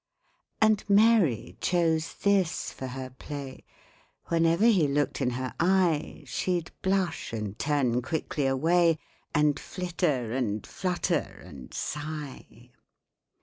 And MARY chose this for her play: Whenever he looked in her eye She'd blush and turn quickly away, And flitter, and flutter, and sigh.